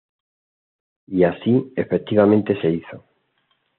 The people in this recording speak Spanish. Y así efectivamente se hizo.